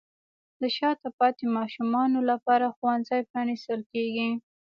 د شاته پاتې ماشومانو لپاره ښوونځي پرانیستل کیږي.